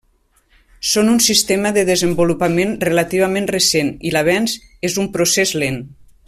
Són un sistema de desenvolupament relativament recent i l’avenç és un procés lent.